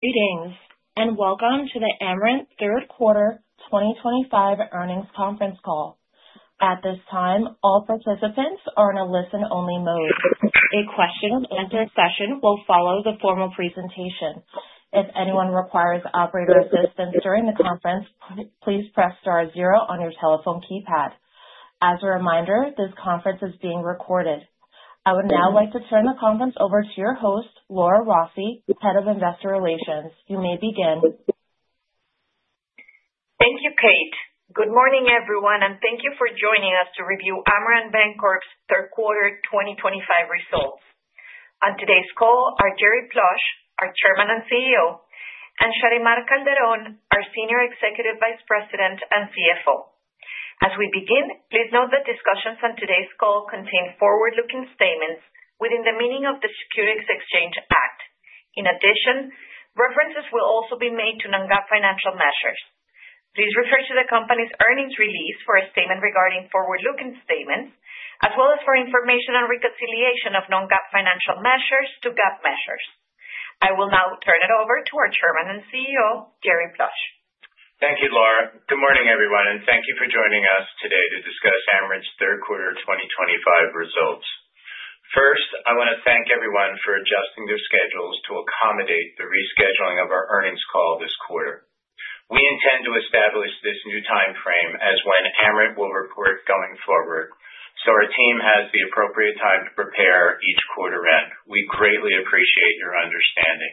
Greetings and welcome to the Amerant Third Quarter 2025 Earnings Conference Call. At this time, all participants are in a listen-only mode. A question-and-answer session will follow the formal presentation. If anyone requires operator assistance during the conference, please press star zero on your telephone keypad. As a reminder, this conference is being recorded. I would now like to turn the conference over to your host, Laura Rossi, Head of Investor Relations. You may begin. Thank you, Kate. Good morning, everyone, and thank you for joining us to review Amerant Bancorp's Third Quarter 2025 Results. On today's call are Jerry Plush, our Chairman and CEO, and Sharymar Calderón, our Senior Executive Vice President and CFO. As we begin, please note that discussions on today's call contain forward-looking statements within the meaning of the Securities Exchange Act. In addition, references will also be made to non-GAAP financial measures. Please refer to the company's earnings release for a statement regarding forward-looking statements, as well as for information on reconciliation of non-GAAP financial measures to GAAP measures. I will now turn it over to our Chairman and CEO, Jerry Plush. Thank you, Laura. Good morning, everyone, and thank you for joining us today to discuss Amerant's Third Quarter 2025 Results. First, I want to thank everyone for adjusting their schedules to accommodate the rescheduling of our earnings call this quarter. We intend to establish this new timeframe as when Amerant will report going forward, so our team has the appropriate time to prepare each quarter end. We greatly appreciate your understanding.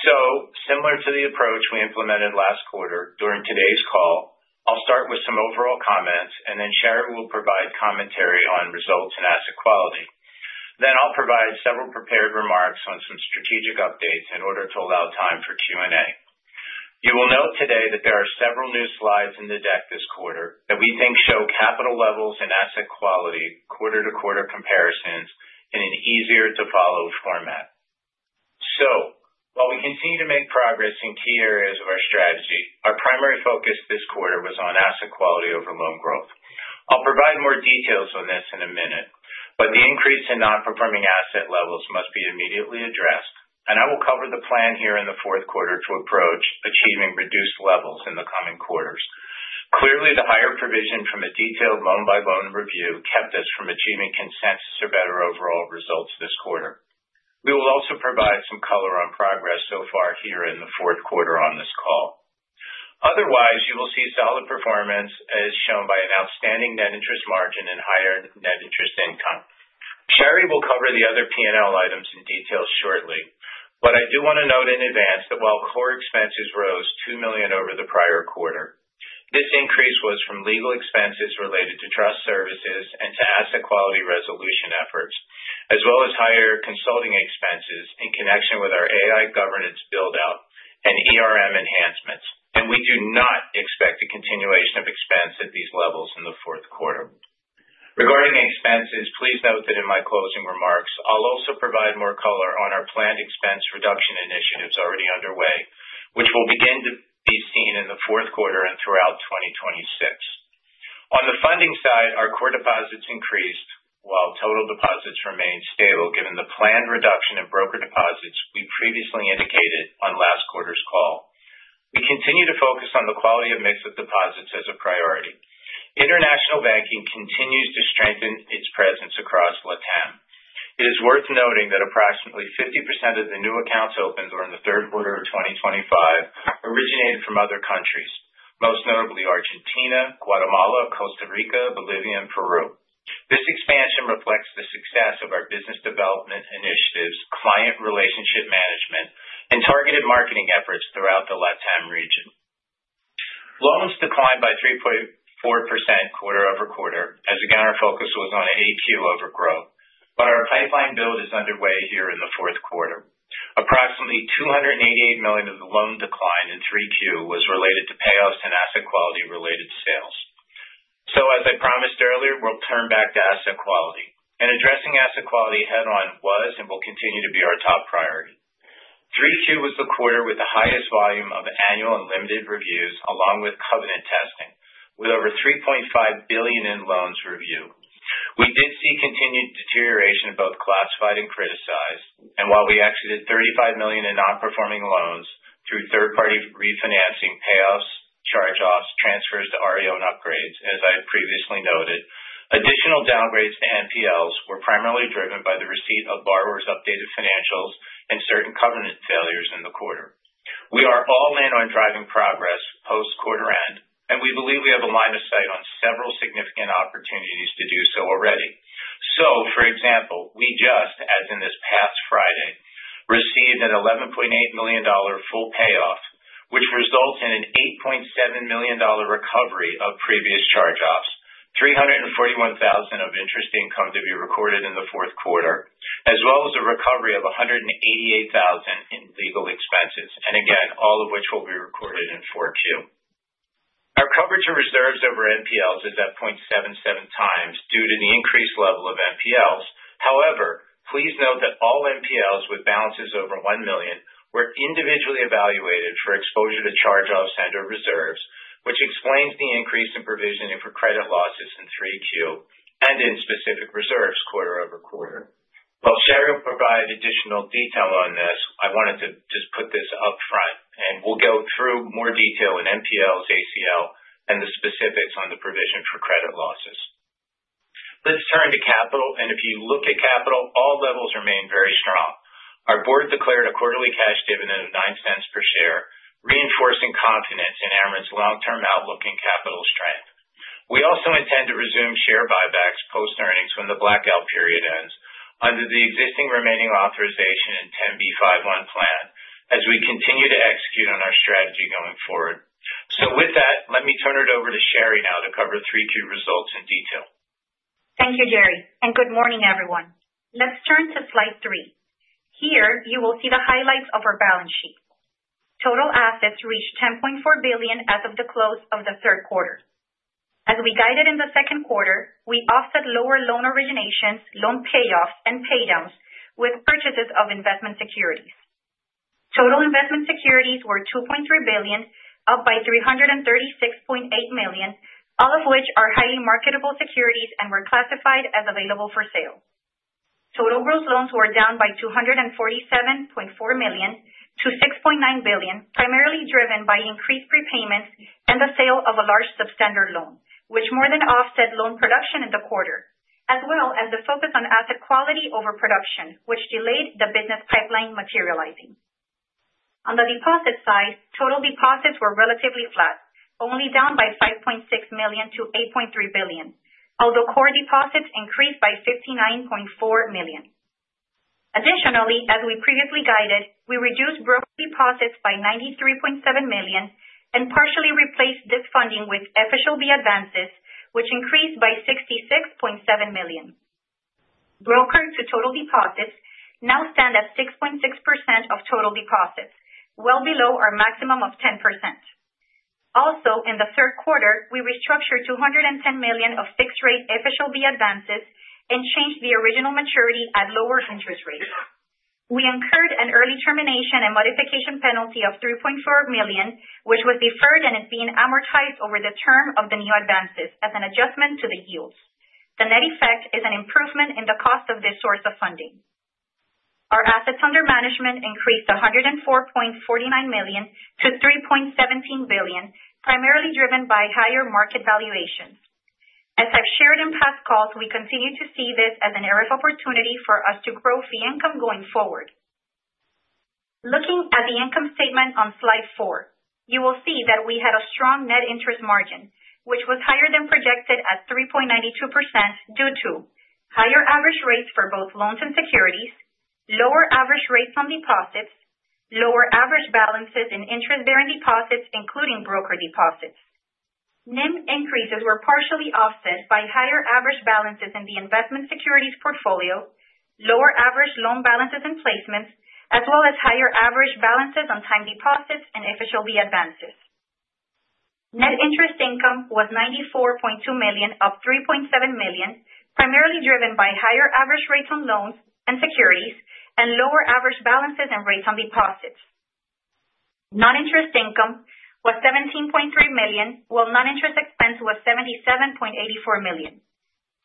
So, similar to the approach we implemented last quarter during today's call, I'll start with some overall comments, and then Shary will provide commentary on results and asset quality. Then I'll provide several prepared remarks on some strategic updates in order to allow time for Q&A. You will note today that there are several new slides in the deck this quarter that we think show capital levels and asset quality quarter-to-quarter comparisons in an easier-to-follow format. While we continue to make progress in key areas of our strategy, our primary focus this quarter was on asset quality over loan growth. I'll provide more details on this in a minute, but the increase in non-performing asset levels must be immediately addressed, and I will cover the plan here in the fourth quarter to approach achieving reduced levels in the coming quarters. Clearly, the higher provision from a detailed loan-by-loan review kept us from achieving consensus or better overall results this quarter. We will also provide some color on progress so far here in the fourth quarter on this call. Otherwise, you will see solid performance as shown by an outstanding net interest margin and higher net interest income. Shary will cover the other P&L items in detail shortly, but I do want to note in advance that while core expenses rose $2 million over the prior quarter, this increase was from legal expenses related to trust services and to asset quality resolution efforts, as well as higher consulting expenses in connection with our AI governance build-out and enhancements, and we do not expect a continuation of expense at these levels in the fourth quarter. Regarding expenses, please note that in my closing remarks, I'll also provide more color on our planned expense reduction initiatives already underway, which will begin to be seen in the fourth quarter and throughout 2026. On the funding side, our core deposits increased while total deposits remained stable given the planned reduction in brokered deposits we previously indicated on last quarter's call. We continue to focus on the quality of mix of deposits as a priority. International banking continues to strengthen its presence across LatAm. It is worth noting that approximately 50% of the new accounts opened during the third quarter of 2025 originated from other countries, most notably Argentina, Guatemala, Costa Rica, Bolivia, and Peru. This expansion reflects the success of our business development initiatives, client relationship management, and targeted marketing efforts throughout the LatAm region. Loans declined by 3.4% quarter over quarter as again our focus was on AQ overgrowth, but our pipeline build is underway here in the fourth quarter. Approximately $288 million of the loan decline in 3Q was related to payoffs and asset quality-related sales, so as I promised earlier, we'll turn back to asset quality, and addressing asset quality head-on was and will continue to be our top priority. 3Q was the quarter with the highest volume of annual and limited reviews along with covenant testing, with over $3.5 billion in loans review. We did see continued deterioration in both classified and criticized, and while we exited $35 million in non-performing loans through third-party refinancing payoffs, charge-offs, transfers to REO and upgrades, as I previously noted, additional downgrades to NPLs were primarily driven by the receipt of borrowers' updated financials and certain covenant failures in the quarter. We are all in on driving progress post-quarter end, and we believe we have a line of sight on several significant opportunities to do so already. So, for example, we just, as in this past Friday, received an $11.8 million full payoff, which resulted in an $8.7 million recovery of previous charge-offs, $341,000 of interest income to be recorded in the fourth quarter, as well as a recovery of $188,000 in legal expenses, and again, all of which will be recorded in 4Q. Our coverage of reserves over NPLs is at 0.77 times due to the increased level of NPLs. However, please note that all NPLs with balances over $1 million were individually evaluated for exposure to charge-offs and/or reserves, which explains the increase in provisioning for credit losses in 3Q and in specific reserves quarter over quarter. While Shary provided additional detail on this, I wanted to just put this upfront, and we'll go through more detail in NPLs, ACL, and the specifics on the provision for credit losses. Let's turn to capital, and if you look at capital, all levels remain very strong. Our board declared a quarterly cash dividend of $0.09 per share, reinforcing confidence in Amerant's long-term outlook and capital strength. We also intend to resume share buybacks post-earnings when the blackout period ends under the existing remaining authorization and 10b5-1 plan as we continue to execute on our strategy going forward. So, with that, let me turn it over to Shary now to cover 3Q results in detail. Thank you, Jerry, and good morning, everyone. Let's turn to slide three. Here, you will see the highlights of our balance sheet. Total assets reached $10.4 billion as of the close of the third quarter. As we guided in the second quarter, we offset lower loan originations, loan payoffs, and paydowns with purchases of investment securities. Total investment securities were $2.3 billion, up by $336.8 million, all of which are highly marketable securities and were classified as available for sale. Total gross loans were down by $247.4 million to $6.9 billion, primarily driven by increased prepayments and the sale of a large substandard loan, which more than offset loan production in the quarter, as well as the focus on asset quality overproduction, which delayed the business pipeline materializing. On the deposit side, total deposits were relatively flat, only down by $5.6 million to $8.3 billion, although core deposits increased by $59.4 million. Additionally, as we previously guided, we reduced brokered deposits by $93.7 million and partially replaced this funding with FHLB advances, which increased by $66.7 million. Broker to total deposits now stand at 6.6% of total deposits, well below our maximum of 10%. Also, in the third quarter, we restructured $210 million of fixed-rate FHLB advances and changed the original maturity at lower interest rates. We incurred an early termination and modification penalty of $3.4 million, which was deferred and is being amortized over the term of the new advances as an adjustment to the yields. The net effect is an improvement in the cost of this source of funding. Our assets under management increased $104.49 million to $3.17 billion, primarily driven by higher market valuations. As I've shared in past calls, we continue to see this as an area of opportunity for us to grow fee income going forward. Looking at the income statement on slide four, you will see that we had a strong net interest margin, which was higher than projected at 3.92% due to higher average rates for both loans and securities, lower average rates on deposits, lower average balances in interest-bearing deposits, including brokered deposits. NIM increases were partially offset by higher average balances in the investment securities portfolio, lower average loan balances and placements, as well as higher average balances on time deposits and FHLB advances. Net interest income was $94.2 million, up $3.7 million, primarily driven by higher average rates on loans and securities and lower average balances and rates on deposits. Non-interest income was $17.3 million, while non-interest expense was $77.84 million.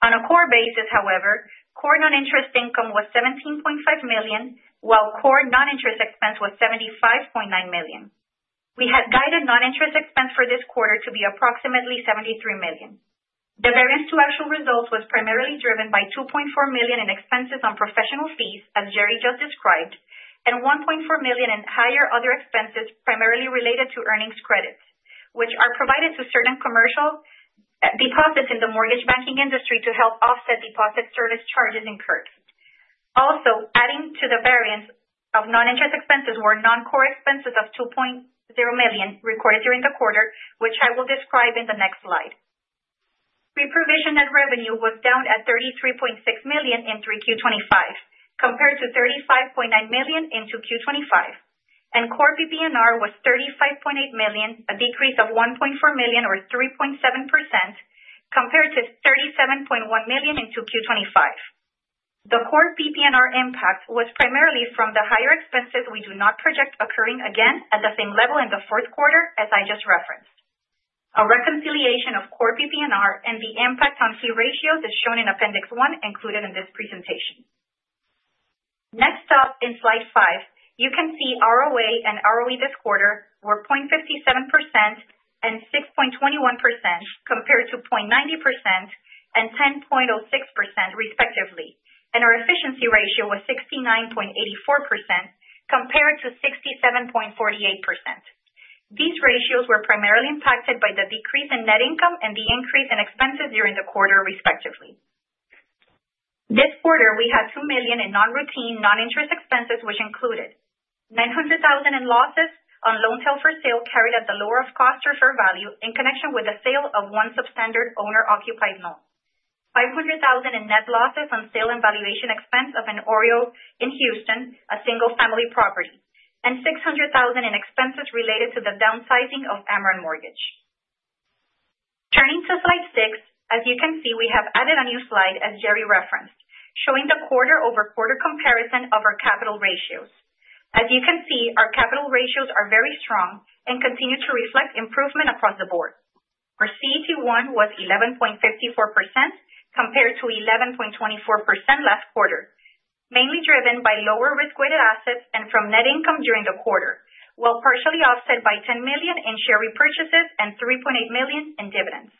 On a core basis, however, core non-interest income was $17.5 million, while core non-interest expense was $75.9 million. We had guided non-interest expense for this quarter to be approximately $73 million. The variance to actual results was primarily driven by $2.4 million in expenses on professional fees, as Jerry just described, and $1.4 million in higher other expenses primarily related to earnings credits, which are provided to certain commercial deposits in the mortgage banking industry to help offset deposit service charges incurred. Also, adding to the variance of non-interest expenses were non-core expenses of $2.0 million recorded during the quarter, which I will describe in the next slide. Pre-provision net revenue was down at $33.6 million in 3Q 25, compared to $35.9 million in 2Q 25, and core PP&R was $35.8 million, a decrease of $1.4 million or 3.7%, compared to $37.1 million in 2Q25. The core PP&R impact was primarily from the higher expenses we do not project occurring again at the same level in the fourth quarter, as I just referenced. A reconciliation of core PP&R and the impact on fee ratios is shown in Appendix 1, included in this presentation. Next up in slide five, you can see ROA and ROE this quarter were 0.57% and 6.21%, compared to 0.90% and 10.06%, respectively, and our efficiency ratio was 69.84%, compared to 67.48%. These ratios were primarily impacted by the decrease in net income and the increase in expenses during the quarter, respectively. This quarter, we had $2 million in non-routine non-interest expenses, which included $900,000 in losses on loan held for sale carried at the lower of cost or fair value in connection with the sale of one substandard owner-occupied loan, $500,000 in net losses on sale and valuation expense of an OREO in Houston, a single-family property, and $600,000 in expenses related to the downsizing of Amerant Mortgage. Turning to slide six, as you can see, we have added a new slide, as Jerry referenced, showing the quarter-over-quarter comparison of our capital ratios. As you can see, our capital ratios are very strong and continue to reflect improvement across the board. Our CET1 was 11.54%, compared to 11.24% last quarter, mainly driven by lower risk-weighted assets and from net income during the quarter, while partially offset by $10 million in share repurchases and $3.8 million in dividends.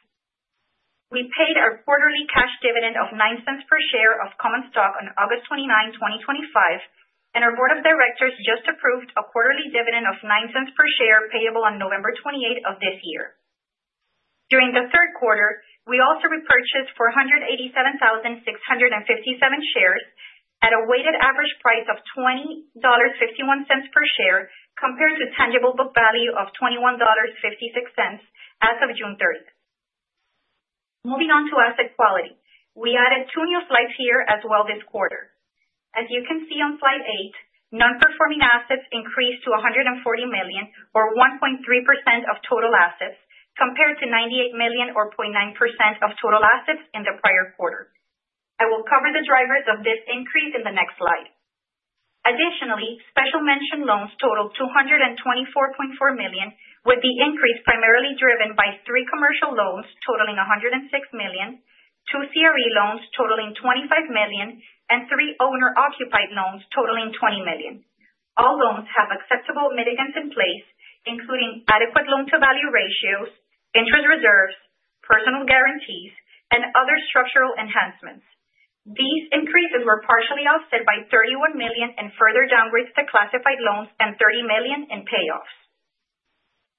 We paid our quarterly cash dividend of $0.09 per share of common stock on August 29, 2025, and our board of directors just approved a quarterly dividend of $0.09 per share payable on November 28 of this year. During the third quarter, we also repurchased 487,657 shares at a weighted average price of $20.51 per share, compared to tangible book value of $21.56 as of June 30. Moving on to asset quality, we added two new slides here as well this quarter. As you can see on slide eight, non-performing assets increased to $140 million, or 1.3% of total assets, compared to $98 million, or 0.9% of total assets in the prior quarter. I will cover the drivers of this increase in the next slide. Additionally, special mention loans totaled $224.4 million, with the increase primarily driven by three commercial loans totaling $106 million, two CRE loans totaling $25 million, and three owner-occupied loans totaling $20 million. All loans have acceptable mitigants in place, including adequate loan-to-value ratios, interest reserves, personal guarantees, and other structural enhancements. These increases were partially offset by $31 million in further downgrades to classified loans and $30 million in payoffs.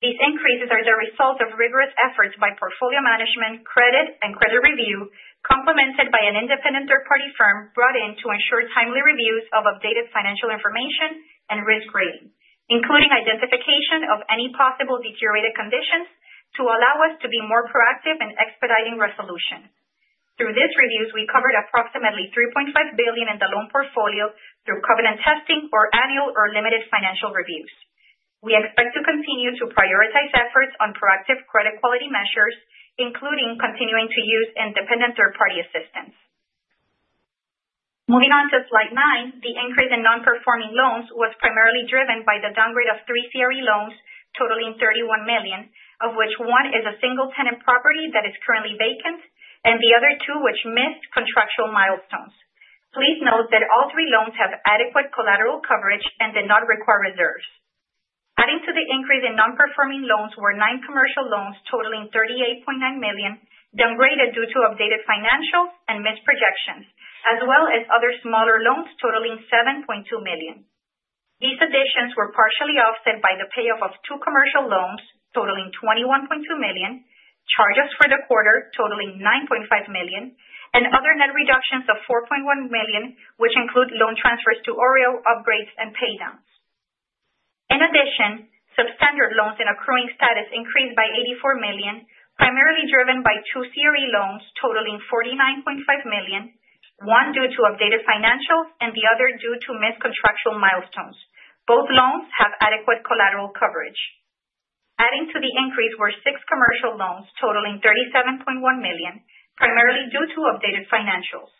These increases are the result of rigorous efforts by portfolio management, credit, and credit review, complemented by an independent third-party firm brought in to ensure timely reviews of updated financial information and risk rating, including identification of any possible deteriorated conditions to allow us to be more proactive in expediting resolution. Through these reviews, we covered approximately $3.5 billion in the loan portfolio through covenant testing or annual or limited financial reviews. We expect to continue to prioritize efforts on proactive credit quality measures, including continuing to use independent third-party assistance. Moving on to slide nine, the increase in non-performing loans was primarily driven by the downgrade of three CRE loans totaling $31 million, of which one is a single-tenant property that is currently vacant and the other two which missed contractual milestones. Please note that all three loans have adequate collateral coverage and did not require reserves. Adding to the increase in non-performing loans were nine commercial loans totaling $38.9 million, downgraded due to updated financials and missed projections, as well as other smaller loans totaling $7.2 million. These additions were partially offset by the payoff of two commercial loans totaling $21.2 million, charges for the quarter totaling $9.5 million, and other net reductions of $4.1 million, which include loan transfers to OREO, upgrades, and paydowns. In addition, substandard loans in accruing status increased by $84 million, primarily driven by two CRE loans totaling $49.5 million, one due to updated financials and the other due to missed contractual milestones. Both loans have adequate collateral coverage. Adding to the increase were six commercial loans totaling $37.1 million, primarily due to updated financials.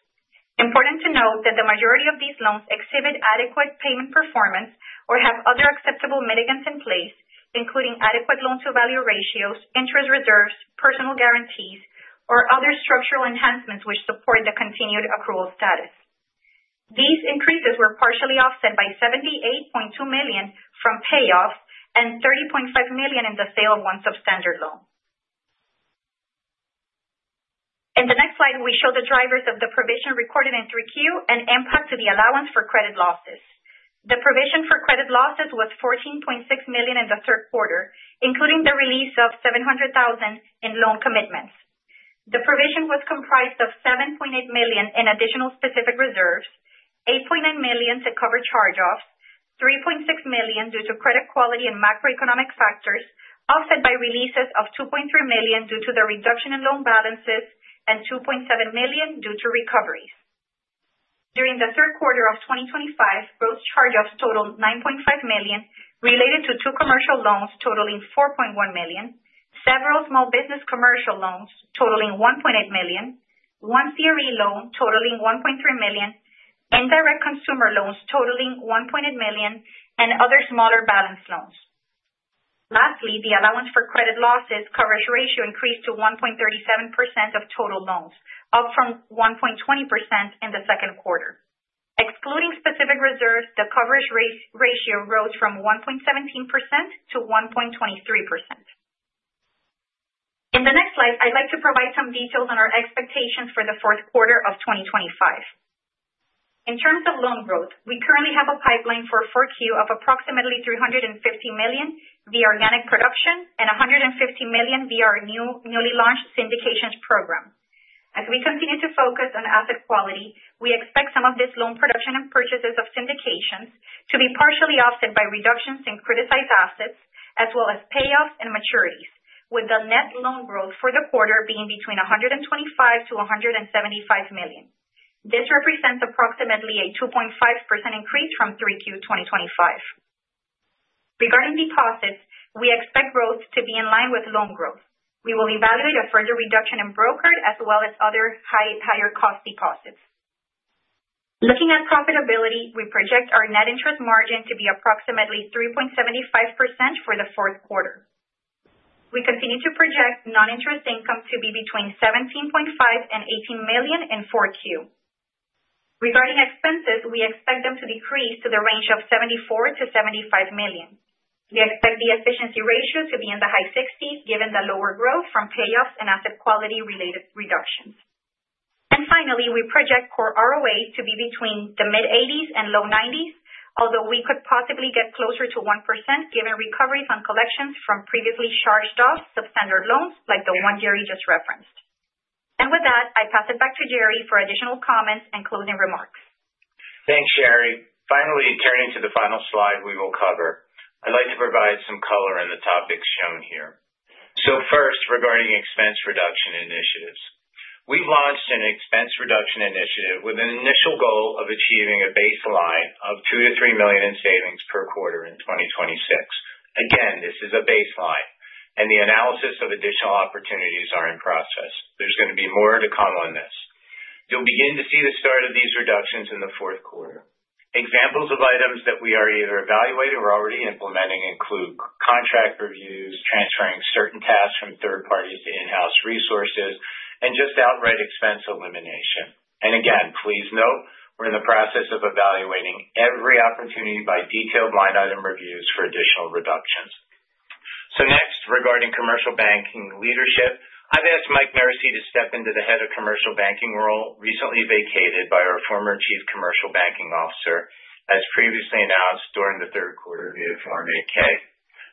Important to note that the majority of these loans exhibit adequate payment performance or have other acceptable mitigants in place, including adequate loan-to-value ratios, interest reserves, personal guarantees, or other structural enhancements which support the continued accrual status. These increases were partially offset by $78.2 million from payoffs and $30.5 million in the sale of one substandard loan. In the next slide, we show the drivers of the provision recorded in 3Q and impact to the allowance for credit losses. The provision for credit losses was $14.6 million in the third quarter, including the release of $700,000 in loan commitments. The provision was comprised of $7.8 million in additional specific reserves $8.9 million to cover charge-offs, $3.6 million due to credit quality and macroeconomic factors, offset by releases of $2.3 million due to the reduction in loan balances and $2.7 million due to recoveries. During the third quarter of 2025, gross charge-offs totaled $9.5 million related to two commercial loans totaling $4.1 million, several small business commercial loans totaling $1.8 million, one CRE loan totaling $1.3 million, indirect consumer loans totaling $1.8 million, and other smaller balance loans. Lastly, the allowance for credit losses coverage ratio increased to 1.37% of total loans, up from 1.20% in the second quarter. Excluding specific reserves, the coverage ratio rose from 1.17% - 1.23%. In the next slide, I'd like to provide some details on our expectations for the fourth quarter of 2025. In terms of loan growth, we currently have a pipeline for 4Q of approximately $350 million via organic production and $150 million via our newly launched syndications program. As we continue to focus on asset quality, we expect some of this loan production and purchases of syndications to be partially offset by reductions in criticized assets, as well as payoffs and maturities, with the net loan growth for the quarter being between $125-$175 million. This represents approximately a 2.5% increase from 3Q 25. Regarding deposits, we expect growth to be in line with loan growth. We will evaluate a further reduction in brokered as well as other higher-cost deposits. Looking at profitability, we project our net interest margin to be approximately 3.75% for the fourth quarter. We continue to project non-interest income to be between $17.5 million and $18 million in 4Q. Regarding expenses, we expect them to decrease to the range of $74 million $75 million. We expect the efficiency ratio to be in the high 60s, given the lower growth from payoffs and asset quality-related reductions. And finally, we project core ROA to be between the mid-80s and low 90s, although we could possibly get closer to 1% given recoveries on collections from previously charged-off substandard loans like the one Jerry just referenced. And with that, I pass it back to Jerry for additional comments and closing remarks. Thanks, Shary. Finally, turning to the final slide we will cover, I'd like to provide some color on the topics shown here. So first, regarding expense reduction initiatives. We've launched an expense reduction initiative with an initial goal of achieving a baseline of $2-$3 million in savings per quarter in 2026. Again, this is a baseline, and the analysis of additional opportunities is in process. There's going to be more to come on this. You'll begin to see the start of these reductions in the fourth quarter. Examples of items that we are either evaluating or already implementing include contract reviews, transferring certain tasks from third parties to in-house resources, and just outright expense elimination. And again, please note, we're in the process of evaluating every opportunity by detailed line item reviews for additional reductions. So next, regarding commercial banking leadership, I've asked Mike Maurici to step into the head of commercial banking role, recently vacated by our former chief commercial banking officer, as previously announced during the third quarter via Form 8-K.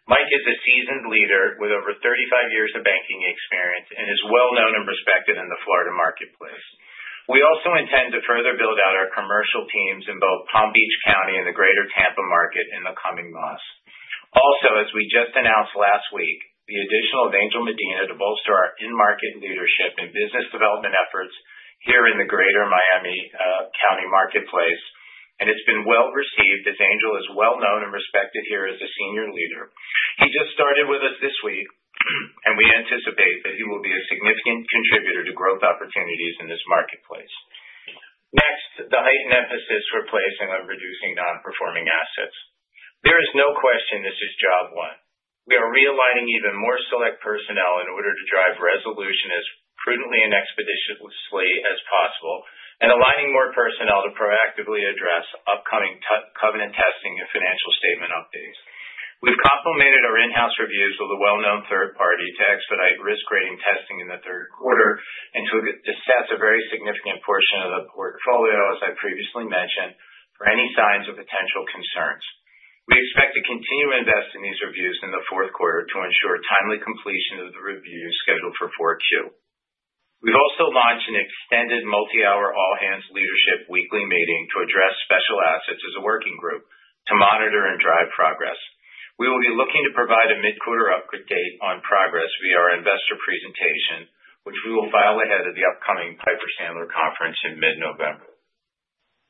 Mike is a seasoned leader with over 35 years of banking experience and is well known and respected in the Florida marketplace. We also intend to further build out our commercial teams in both Palm Beach County and the Greater Tampa market in the coming months. Also, as we just announced last week, the addition of Angel Medina to bolster our in-market leadership and business development efforts here in the Greater Miami marketplace, and it's been well received as Angel is well known and respected here as a senior leader. He just started with us this week, and we anticipate that he will be a significant contributor to growth opportunities in this marketplace. Next, the heightened emphasis we're placing on reducing non-performing assets. There is no question this is job one. We are realigning even more select personnel in order to drive resolution as prudently and expeditiously as possible and aligning more personnel to proactively address upcoming covenant testing and financial statement updates. We've complemented our in-house reviews with a well-known third party to expedite risk-rating testing in the third quarter and to assess a very significant portion of the portfolio, as I previously mentioned, for any signs of potential concerns. We expect to continue to invest in these reviews in the fourth quarter to ensure timely completion of the reviews scheduled for 4Q. We've also launched an extended multi-hour all-hands leadership weekly meeting to address special assets as a working group to monitor and drive progress. We will be looking to provide a mid-quarter update on progress via our investor presentation, which we will file ahead of the upcoming Piper Sandler Conference in mid-November.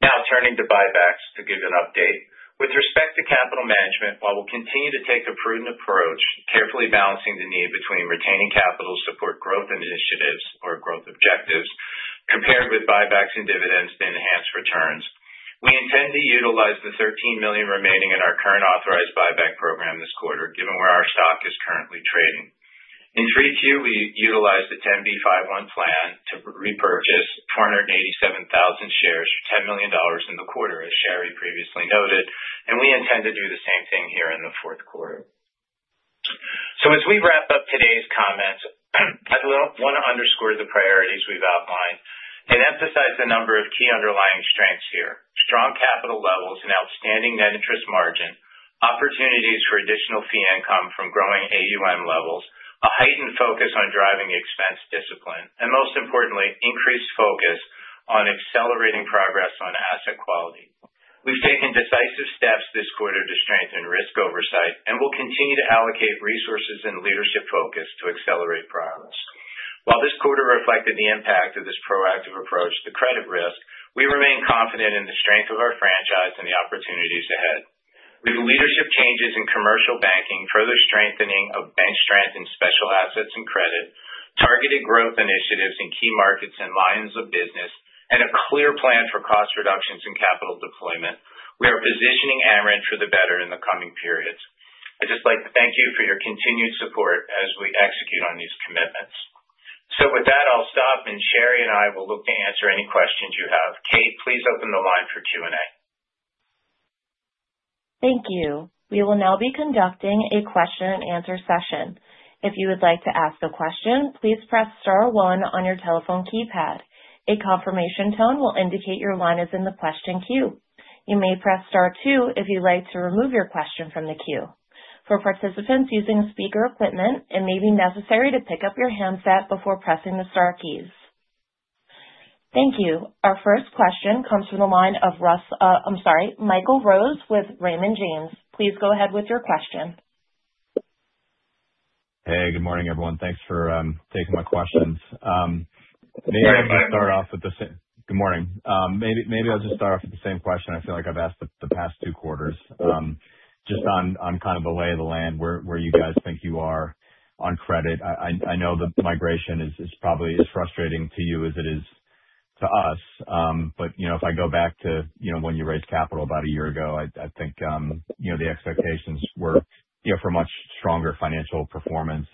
Now, turning to buybacks to give you an update. With respect to capital management, while we'll continue to take a prudent approach, carefully balancing the need between retaining capital to support growth initiatives or growth objectives, compared with buybacks and dividends to enhance returns, we intend to utilize the $13 million remaining in our current authorized buyback program this quarter, given where our stock is currently trading. In 3Q, we utilized the 10b5-1 plan to repurchase 487,000 shares for $10 million in the quarter, as Shary previously noted, and we intend to do the same thing here in the fourth quarter. So as we wrap up today's comments, I'd want to underscore the priorities we've outlined and emphasize the number of key underlying strengths here: strong capital levels and outstanding net interest margin, opportunities for additional fee income from growing AUM levels, a heightened focus on driving expense discipline, and most importantly, increased focus on accelerating progress on asset quality. We've taken decisive steps this quarter to strengthen risk oversight and will continue to allocate resources and leadership focus to accelerate progress. While this quarter reflected the impact of this proactive approach to credit risk, we remain confident in the strength of our franchise and the opportunities ahead. With leadership changes in commercial banking, further strengthening of bank strength in special assets and credit, targeted growth initiatives in key markets and lines of business, and a clear plan for cost reductions and capital deployment, we are positioning Amerant for the better in the coming periods. I'd just like to thank you for your continued support as we execute on these commitments. So with that, I'll stop, and Shary and I will look to answer any questions you have. Kate, please open the line for Q&A. Thank you. We will now be conducting a question-and-answer session. If you would like to ask a question, please press Star 1 on your telephone keypad. A confirmation tone will indicate your line is in the question queue. You may press Star 2 if you'd like to remove your question from the queue. For participants using speaker equipment, it may be necessary to pick up your handset before pressing the Star keys. Thank you. Our first question comes from the line of Russ-I'm sorry, Michael Rose with Raymond James. Please go ahead with your question. Hey, good morning, everyone. Thanks for taking my questions. Maybe I might start off with the same-good morning. Maybe I'll just start off with the same question. I feel like I've asked the past two quarters. Just on kind of the lay of the land, where you guys think you are on credit, I know that migration is probably as frustrating to you as it is to us. But if I go back to when you raised capital about a year ago, I think the expectations were for much stronger financial performance.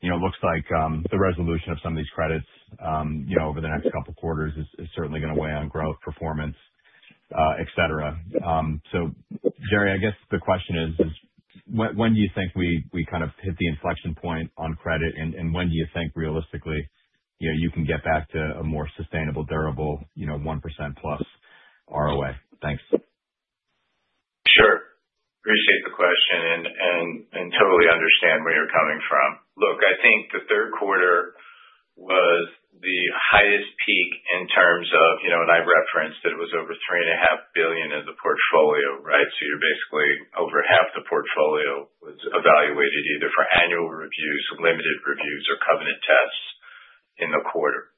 It looks like the resolution of some of these credits over the next couple of quarters is certainly going to weigh on growth, performance, etc. So, Jerry, I guess the question is, when do you think we kind of hit the inflection point on credit, and when do you think realistically you can get back to a more sustainable, durable 1%-plus ROA? Thanks. Sure. Appreciate the question and totally understand where you're coming from. Look, I think the third quarter was the highest peak in terms of, and I referenced that it was over $3.5 billion in the portfolio, right? So you're basically over half the portfolio was evaluated either for annual reviews, limited reviews, or covenant tests in the quarter.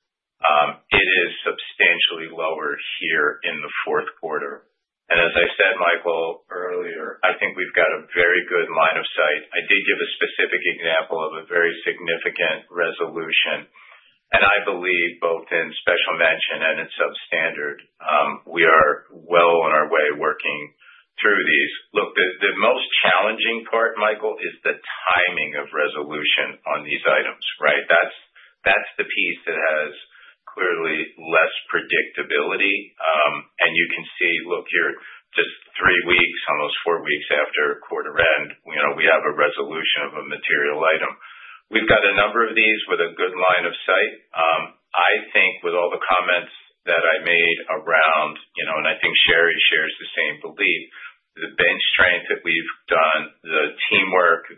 It is substantially lower here in the fourth quarter. As I said, Michael, earlier, I think we've got a very good line of sight. I did give a specific example of a very significant resolution. And I believe both in special mention and in substandard, we are well on our way working through these. Look, the most challenging part, Michael, is the timing of resolution on these items, right? That's the piece that has clearly less predictability. And you can see, look, here just three weeks, almost four weeks after quarter end, we have a resolution of a material item. We've got a number of these with a good line of sight. I think with all the comments that I made around, and I think Shary shares the same belief, the bench strength that we've done, the teamwork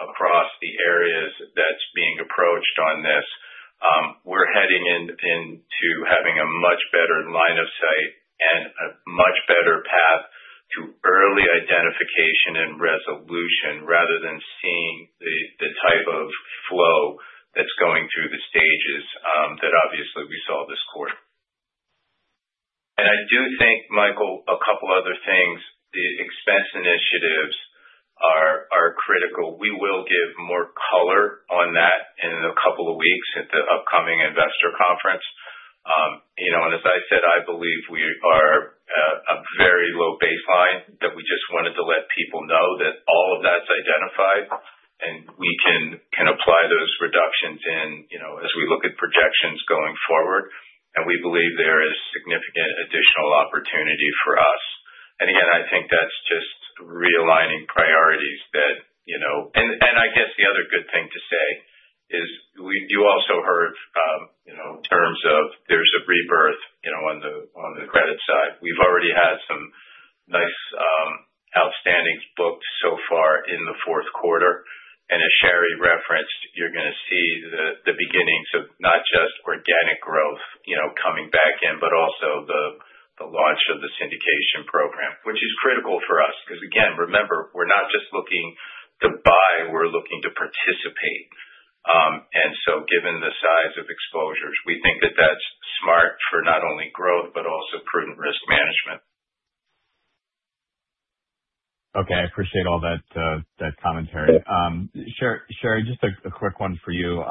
across the areas that's being approached on this, we're heading into having a much better line of sight and a much better path to early identification and resolution rather than seeing the type of flow that's going through the stages that obviously we saw this quarter. And I do think, Michael, a couple of other things. The expense initiatives are critical. We will give more color on that in a couple of weeks at the upcoming investor conference. And as I said, I believe we are a very low baseline that we just wanted to let people know that all of that's identified, and we can apply those reductions as we look at projections going forward. And we believe there is significant additional opportunity for us. And again, I think that's just realigning priorities, and I guess the other good thing to say is you also heard him say there's a rebirth on the credit side. We've already had some nice outstandings booked so far in the fourth quarter. And as Shary referenced, you're going to see the beginnings of not just organic growth coming back in, but also the launch of the syndication program, which is critical for us. Because again, remember, we're not just looking to buy, we're looking to participate. And so given the size of exposures, we think that that's smart for not only growth, but also prudent risk management. Okay. I appreciate all that commentary. Shary, just a quick one for you.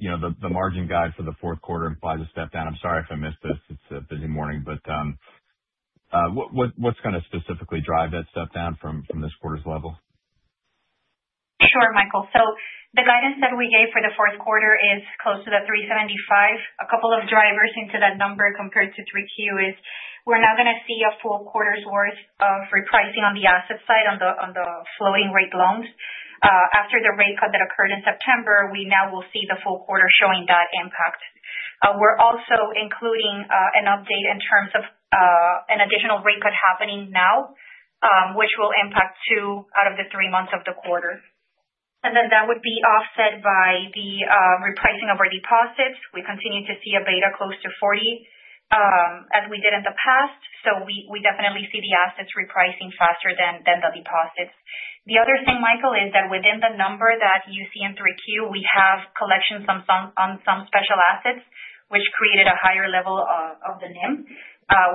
The margin guide for the fourth quarter implies a step down. I'm sorry if I missed this. It's a busy morning. But what's going to specifically drive that step down from this quarter's level? Sure, Michael. So the guidance that we gave for the fourth quarter is close to the 375. A couple of drivers into that number compared to 3Q is we're now going to see a full quarter's worth of repricing on the asset side on the floating rate loans. After the rate cut that occurred in September, we now will see the full quarter showing that impact. We're also including an update in terms of an additional rate cut happening now, which will impact two out of the three months of the quarter. And then that would be offset by the repricing of our deposits. We continue to see a beta close to 40, as we did in the past. So we definitely see the assets repricing faster than the deposits. The other thing, Michael, is that within the number that you see in 3Q, we have collections on some special assets, which created a higher level of the NIM.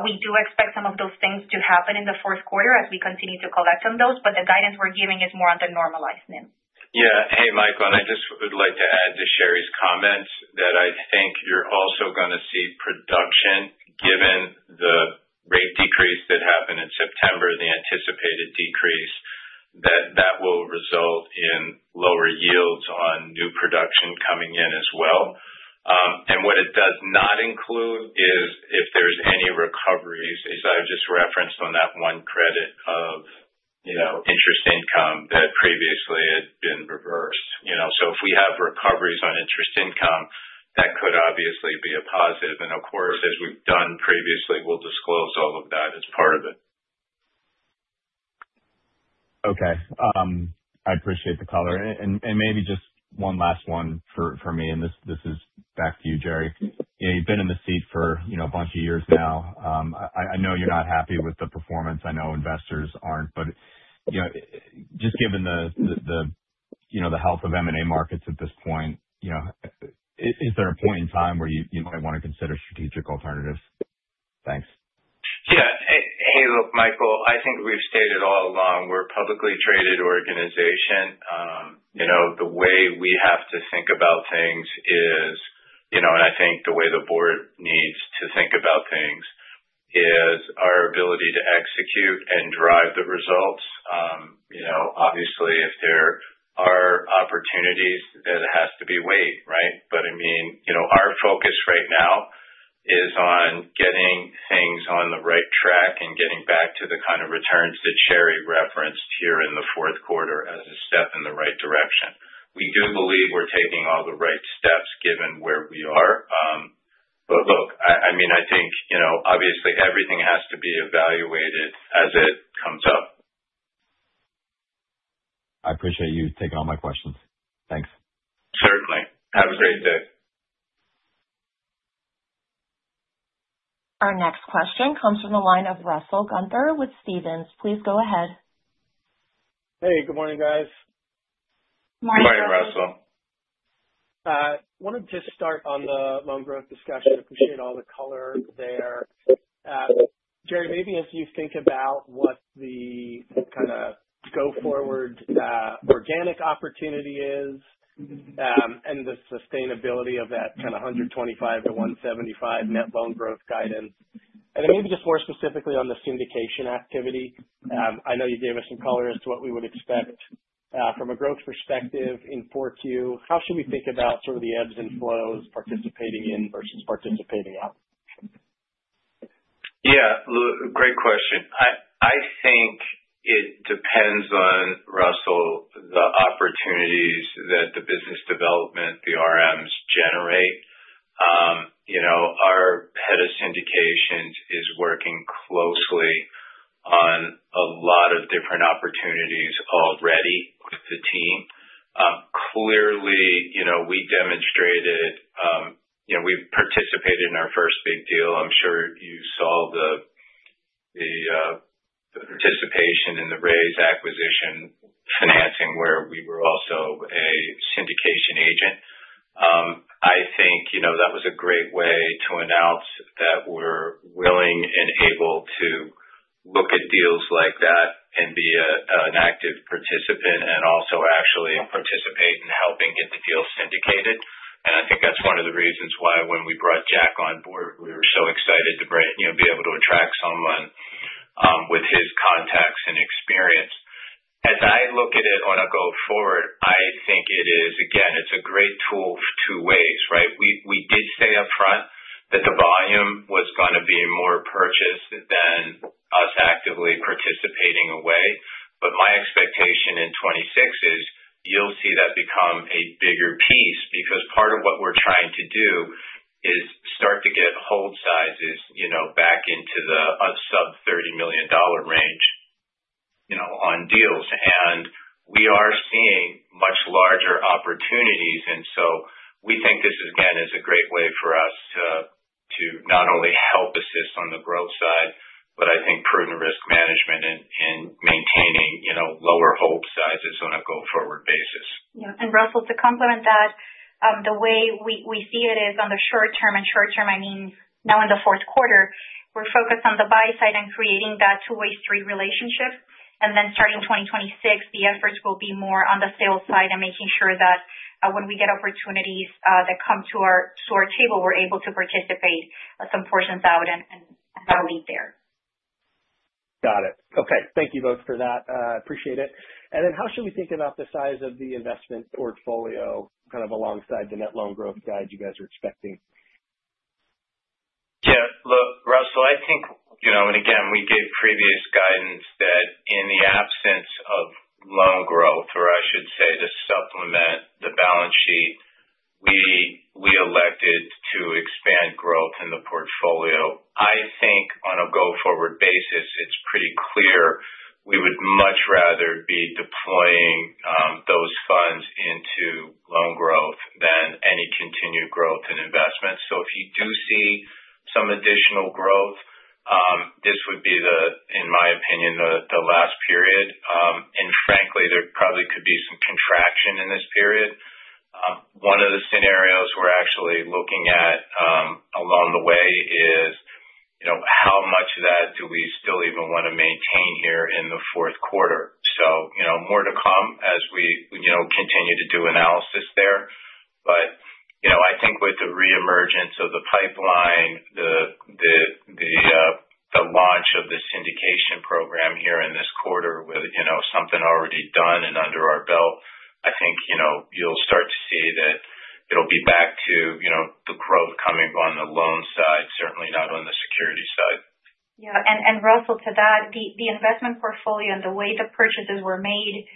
We do expect some of those things to happen in the fourth quarter as we continue to collect on those. But the guidance we're giving is more on the normalized NIM. Yeah. Hey, Michael, and I just would like to add to Shary's comments that I think you're also going to see production, given the rate decrease that happened in September, the anticipated decrease, that that will result in lower yields on new production coming in as well. And what it does not include is if there's any recoveries, as I've just referenced on that one credit of interest income that previously had been reversed. So if we have recoveries on interest income, that could obviously be a positive. And of course, as we've done previously, we'll disclose all of that as part of it. Okay. I appreciate the color. And maybe just one last one for me, and this is back to you, Jerry. You've been in the seat for a bunch of years now. I know you're not happy with the performance. I know investors aren't. But just given the health of M&A markets at this point, is there a point in time where you might want to consider strategic alternatives? Thanks. Yeah. Hey, look, Michael, I think we've stated all along we're a publicly traded organization. The way we have to think about things is, and I think the way the board needs to think about things is our ability to execute and drive the results. Obviously, if there are opportunities, then it has to be weighed, right? But I mean, our focus right now is on getting things on the right track and getting back to the kind of returns that Shary referenced here in the fourth quarter as a step in the right direction. We do believe we're taking all the right steps given where we are. But look, I mean, I think obviously everything has to be evaluated as it comes up. I appreciate you taking all my questions. Thanks. Certainly. Have a great day. Our next question comes from the line of Russell Gunther with Stephens. Please go ahead. Hey, good morning, guys. Good morning. Good morning, Russell. I wanted to just start on the loan growth discussion. I appreciate all the color there. Jerry, maybe as you think about what the kind of go-forward organic opportunity is and the sustainability of that kind of 125-175 net loan growth guidance, and then maybe just more specifically on the syndication activity, I know you gave us some color as to what we would expect from a growth perspective in 4Q. How should we think about sort of the ebbs and flows participating in versus participating out? Yeah. Great question. I think it depends on, Russell, the opportunities that the business development, the RMs, generate. Our head of syndications is working closely on a lot of different opportunities already with the team. Clearly, we demonstrated we participated in our first big deal. I'm sure you saw the participation in the Reyes acquisition financing where we were also a syndication agent. I think that was a great way to announce that we're willing and able to look at deals like that and be an active participant and also actually participate in helping get the deal syndicated. And I think that's one of the reasons why when we brought Jack on board, we were so excited to be able to attract someone with his contacts and experience. As I look at it on a go-forward, I think it is, again, it's a great tool two ways, right? We did say upfront that the volume was going to be more purchased than us actively participating away. But my expectation in 2026 is you'll see that become a bigger piece because part of what we're trying to do is start to get hold sizes back into the sub-$30 million range on deals. And we are seeing much larger opportunities. And so we think this is, again, a great way for us to not only help assist on the growth side, but I think prudent risk management and maintaining lower hold sizes on a go-forward basis. Yeah. And Russell, to complement that, the way we see it is on the short term, and short term, I mean, now in the fourth quarter, we're focused on the buy side and creating that two-way street relationship. And then starting 2026, the efforts will be more on the sales side and making sure that when we get opportunities that come to our table, we're able to participate some portions out and have a lead there. Got it. Okay. Thank you both for that. I appreciate it. And then how should we think about the size of the investment portfolio kind of alongside the net loan growth guide you guys are expecting? Yeah. Look, Russell, I think, and again, we gave previous guidance that in the absence of loan growth, or I should say to supplement the balance sheet, we elected to expand growth in the portfolio. I think on a go-forward basis, it's pretty clear we would much rather be deploying those funds into loan growth than any continued growth in investment. So if you do see some additional growth, this would be, in my opinion, the last period. And frankly, there probably could be some contraction in this period. One of the scenarios we're actually looking at along the way is how much of that do we still even want to maintain here in the fourth quarter. So more to come as we continue to do analysis there. But I think with the reemergence of the pipeline, the launch of the syndication program here in this quarter with something already done and under our belt, I think you'll start to see that it'll be back to the growth coming on the loan side, certainly not on the securities side. Yeah. And Russell, to that, the investment portfolio and the way the purchases were made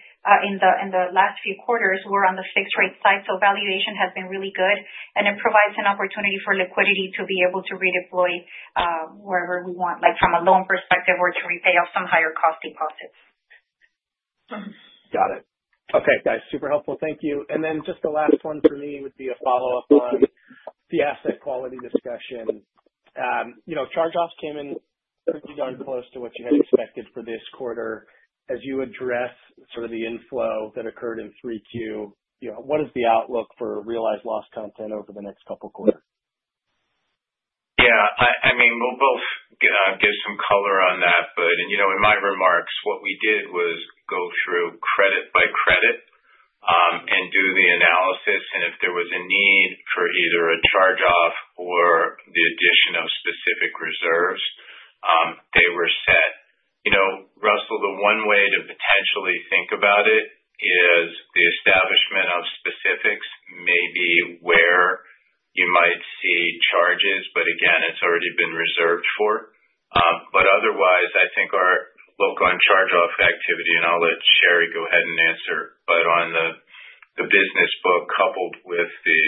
in the last few quarters were on the fixed rate side. So valuation has been really good. And it provides an opportunity for liquidity to be able to redeploy wherever we want, from a loan perspective or to repay off some higher-cost deposits. Got it. Okay. Guys, super helpful. Thank you. And then just the last one for me would be a follow-up on the asset quality discussion. Charge-offs came in pretty darn close to what you had expected for this quarter. As you address sort of the inflow that occurred in 3Q, what is the outlook for realized loss content over the next couple of quarters? Yeah. I mean, we'll both give some color on that. But in my remarks, what we did was go through credit by credit and do the analysis. And if there was a need for either a charge-off or the addition of specific reserves, they were set. Russell, the one way to potentially think about it is the establishment of specifics, maybe where you might see charges, but again, it's already been reserved for. But otherwise, I think our look on charge-off activity, and I'll let Shary go ahead and answer. But on the business book, coupled with the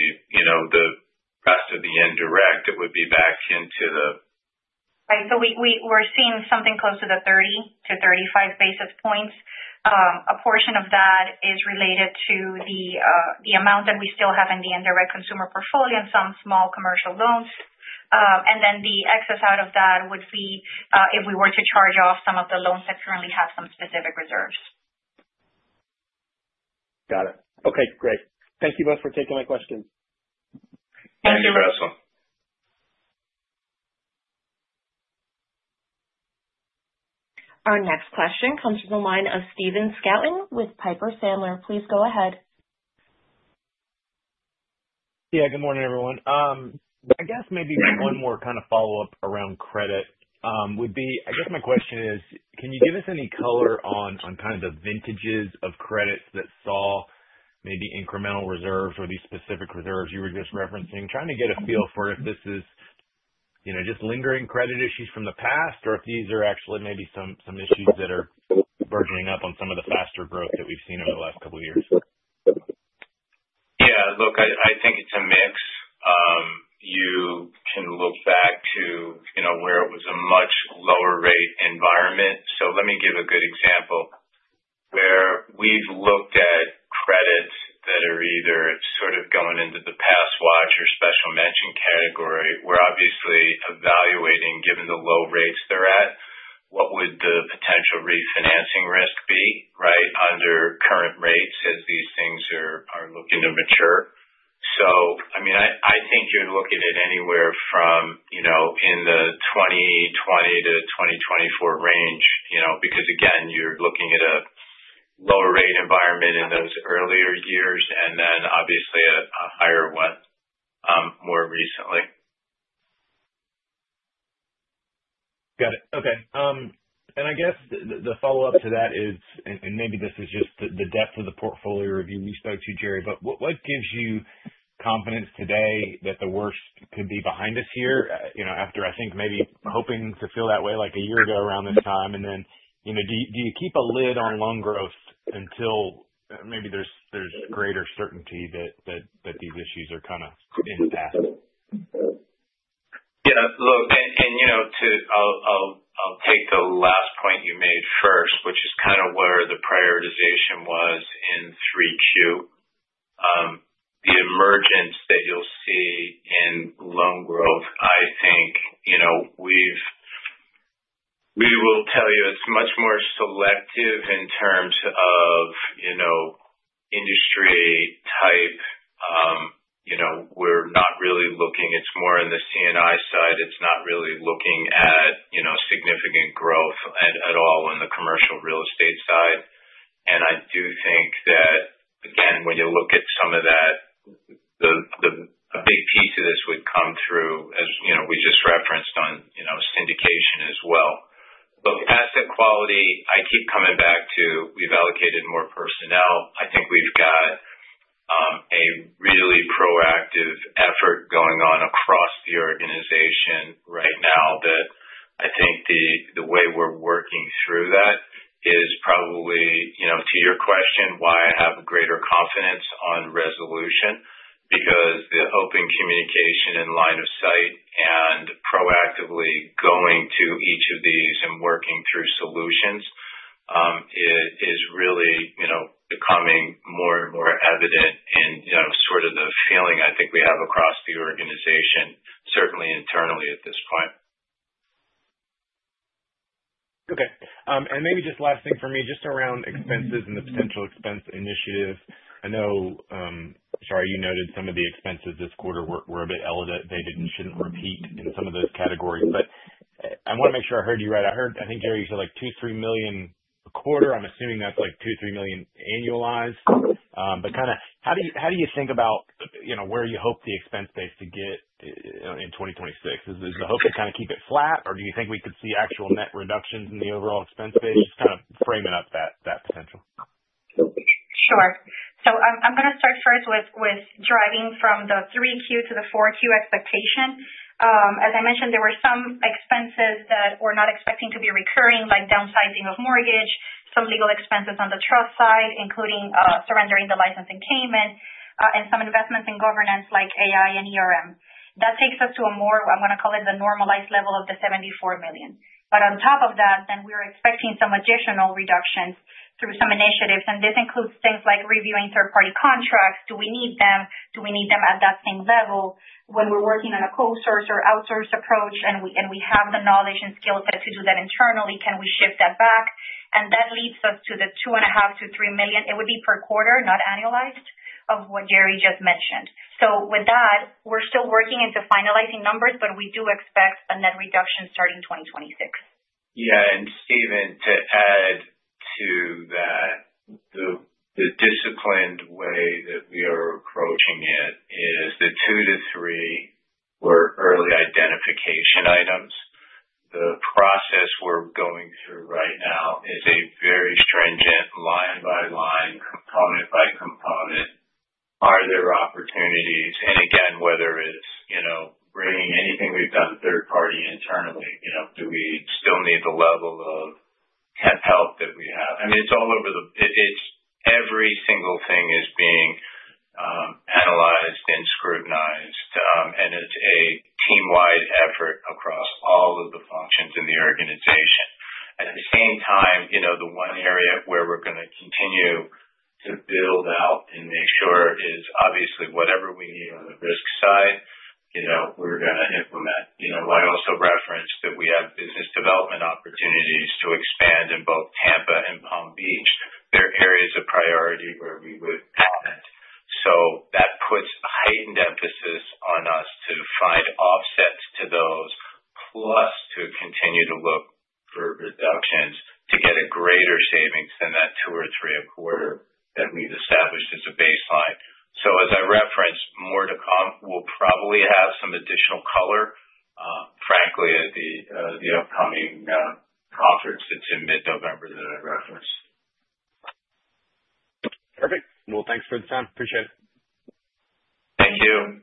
rest of the indirect, it would be back into the. Right. So we're seeing something close to the 30-35 basis points. A portion of that is related to the amount that we still have in the indirect consumer portfolio and some small commercial loans. And then the excess out of that would be if we were to charge off some of the loans that currently have some specific reserves. Got it. Okay. Great. Thank you both for taking my questions. Thank you. Thank you, Russell. Our next question comes from the line of Stephen Scouten with Piper Sandler. Please go ahead. Yeah. Good morning, everyone. I guess maybe one more kind of follow-up around credit would be, I guess my question is, can you give us any color on kind of the vintages of credits that saw maybe incremental reserves or these specific reserves you were just referencing? Trying to get a feel for if this is just lingering credit issues from the past or if these are actually maybe some issues that are burgeoning up on some of the faster growth that we've seen over the last couple of years. Yeah. Look, I think it's a mix. You can look back to where it was a much lower-rate environment, so let me give a good example where we've looked at credits that are either sort of going into the pass watch or Special Mention category. We're obviously evaluating, given the low rates they're at, what would the potential refinancing risk be, right, under current rates as these things are looking to mature, so I mean, I think you're looking at anywhere from in the 2020-2024 range because, again, you're looking at a lower-rate environment in those earlier years and then obviously a higher one more recently. Got it. Okay. And I guess the follow-up to that is, and maybe this is just the depth of the portfolio review we spoke to, Jerry, but what gives you confidence today that the worst could be behind us here after, I think, maybe hoping to feel that way like a year ago around this time? And then do you keep a lid on loan growth until maybe there's greater certainty that these issues are kind of in the past? Yeah. Look, and I'll take the last point you made first, which is kind of where the prioritization was in 3Q. The emergence that you'll see in loan growth, I think we will tell you it's much more selective in terms of industry type. We're not really looking. It's more in the C&I side. It's not really looking at significant growth at all on the commercial real estate side. And I do think that, again, when you look at some of that, a big piece of this would come through, as we just referenced, on syndication as well. Look, asset quality, I keep coming back to we've allocated more personnel. I think we've got a really proactive effort going on across the organization right now that I think the way we're working through that is probably, to your question, why I have greater confidence on resolution because the open communication and line of sight and proactively going to each of these and working through solutions is really becoming more and more evident in sort of the feeling I think we have across the organization, certainly internally at this point. Okay. And maybe just last thing for me, just around expenses and the potential expense initiative. I know, sorry, you noted some of the expenses this quarter were a bit elevated and shouldn't repeat in some of those categories. But I want to make sure I heard you right. I think, Jerry, you said like $2-3 million a quarter. I'm assuming that's like $2-3 million annualized. But kind of how do you think about where you hope the expense base to get in 2026? Is the hope to kind of keep it flat, or do you think we could see actual net reductions in the overall expense base? Just kind of frame it up, that potential. Sure. So I'm going to start first with driving from the 3Q to the 4Q expectation. As I mentioned, there were some expenses that we're not expecting to be recurring, like downsizing of mortgage, some legal expenses on the trust side, including surrendering the licensing payment, and some investments in governance like AI, and that takes us to a more, I'm going to call it, the normalized level of the $74 million, but on top of that, then we're expecting some additional reductions through some initiatives, and this includes things like reviewing third-party contracts. Do we need them? Do we need them at that same level? When we're working on an in-source or outsource approach and we have the knowledge and skill set to do that internally, can we shift that back, and that leads us to the $2.5-$3 million. It would be per quarter, not annualized, of what Jerry just mentioned. So with that, we're still working into finalizing numbers, but we do expect a net reduction starting 2026. Yeah, and Stephen, to add to that, the disciplined way that we are approaching it is the two to three were early identification items. The process we're going through right now is a very stringent line-by-line, component-by-component. Are there opportunities? And again, whether it's bringing anything we've done third-party internally, do we still need the level of help that we have? I mean, it's all over, every single thing is being analyzed and scrutinized, and it's a team-wide effort across all of the functions in the organization. At the same time, the one area where we're going to continue to build out and make sure is obviously whatever we need on the risk side, we're going to implement. I also referenced that we have business development opportunities to expand in both Tampa and Palm Beach. They're areas of priority where we would add it. So that puts a heightened emphasis on us to find offsets to those, plus to continue to look for reductions to get a greater savings than that two or three a quarter that we've established as a baseline. So as I referenced, more to come, we'll probably have some additional color, frankly, at the upcoming conference that's in mid-November that I referenced. Perfect. Well, thanks for the time. Appreciate it. Thank you.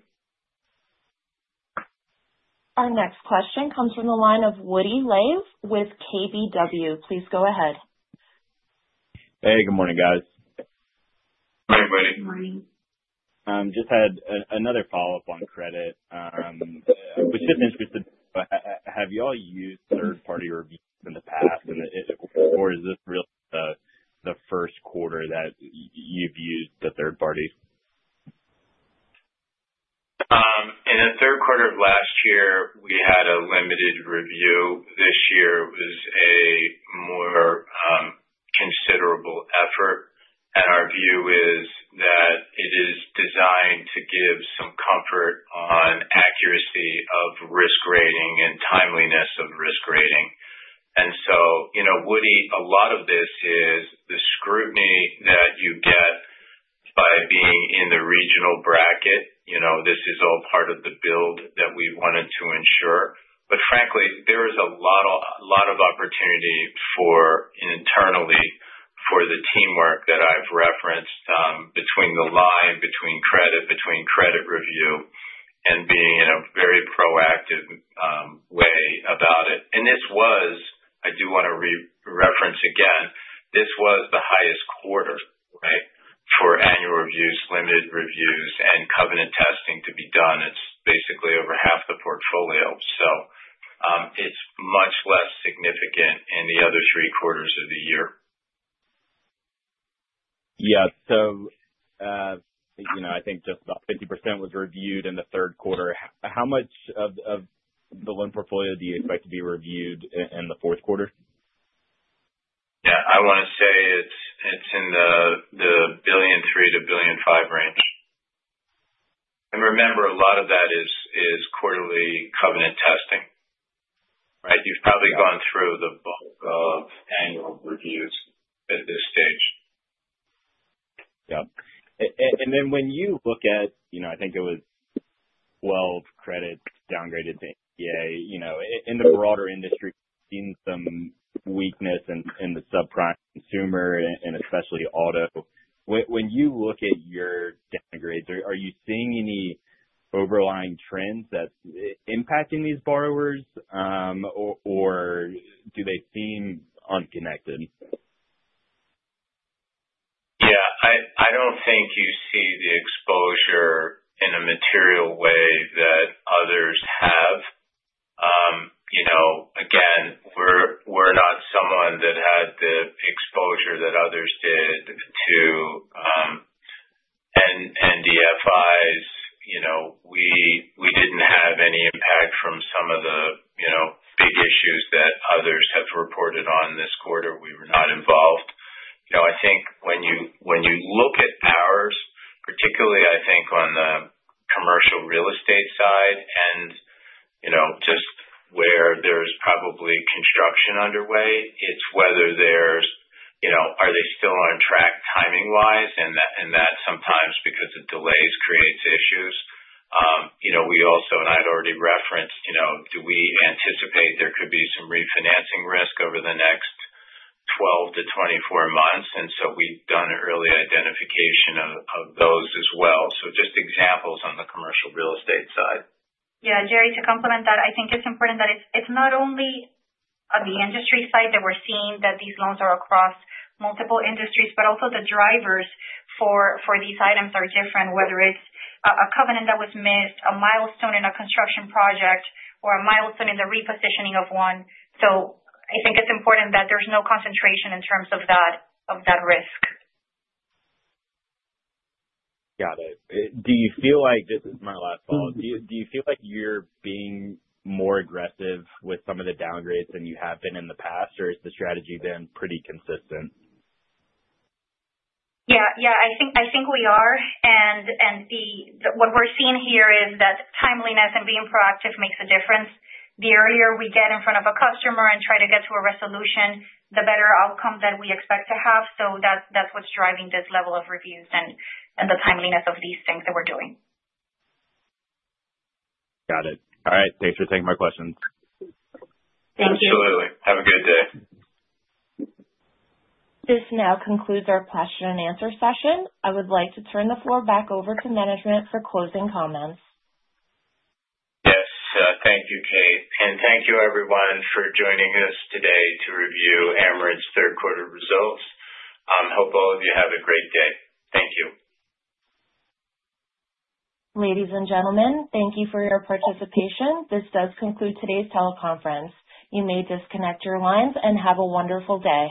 Our next question comes from the line of Woody Lay with KBW. Please go ahead. Hey, good morning, guys. Hi, everybody. Good morning. Just had another follow-up on credit. I was just interested to know, have you all used third-party reviews in the past, or is this really the first quarter that you've used the third parties? In the third quarter of last year, we had a limited review. This year was a more considerable effort. And our view is that it is designed to give some comfort on accuracy of risk rating and timeliness of risk rating. And so Woody, a lot of this is the scrutiny that you get by being in the regional bracket. This is all part of the build that we wanted to ensure. But frankly, there is a lot of opportunity internally for the teamwork that I've referenced between the line, between credit, between credit review, and being in a very proactive way about it. And this was, I do want to reference again, this was the highest quarter, right, for annual reviews, limited reviews, and covenant testing to be done. It's basically over half the portfolio, so it's much less significant in the other three quarters of the year. Yeah, so I think just about 50% was reviewed in the third quarter. How much of the loan portfolio do you expect to be reviewed in the fourth quarter? Yeah. I want to say it's in the $1.3 billion-$1.5 billion range. And remember, a lot of that is quarterly covenant testing, right? You've probably gone through the bulk of annual reviews at this stage. Yeah. And then when you look at, I think it was 12 credits downgraded to A in the broader industry, seeing some weakness in the subprime consumer and especially auto. When you look at your downgrades, are you seeing any underlying trends that's impacting these borrowers, or do they seem unconnected? Yeah. I don't think you see the exposure in a material way that others have. Again, we're not someone that had the exposure that others did to NBFIs. We didn't have any impact from some of the big issues that others have reported on this quarter. We were not involved. I think when you look at ours, particularly, I think on the commercial real estate side and just where there's probably construction underway, it's whether they're still on track timing-wise, and that sometimes, because of delays, creates issues. We also, and I'd already referenced, do we anticipate there could be some refinancing risk over the next 12-24 months, and so we've done early identification of those as well, so just examples on the commercial real estate side. Yeah. Jerry, to complement that, I think it's important that it's not only on the industry side that we're seeing that these loans are across multiple industries, but also the drivers for these items are different, whether it's a covenant that was missed, a milestone in a construction project, or a milestone in the repositioning of one. So I think it's important that there's no concentration in terms of that risk. Got it. Do you feel like this is my last call? Do you feel like you're being more aggressive with some of the downgrades than you have been in the past, or has the strategy been pretty consistent? Yeah. Yeah. I think we are, and what we're seeing here is that timeliness and being proactive makes a difference. The earlier we get in front of a customer and try to get to a resolution, the better outcome that we expect to have. So that's what's driving this level of reviews and the timeliness of these things that we're doing. Got it. All right. Thanks for taking my questions. Thank you. Absolutely. Have a good day. This now concludes our question-and-answer session. I would like to turn the floor back over to management for closing comments. Yes. Thank you, Kate, and thank you, everyone, for joining us today to review Amerant's third-quarter results. I hope all of you have a great day. Thank you. Ladies and gentlemen, thank you for your participation. This does conclude today's teleconference. You may disconnect your lines and have a wonderful day.